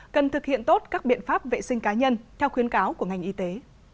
cần thực hiện tốt các biện pháp vệ sinh cá nhân theo khuyến cáo của ngành y tế